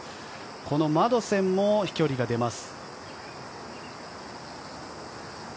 このマドセンも飛距離が出ます。